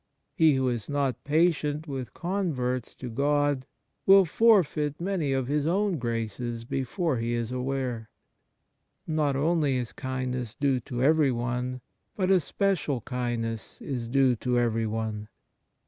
He who is not patient with con verts to God will forfeit many of his own graces before he is aware. Not only is kindness due to everyone, but a special kindness is due to everyone.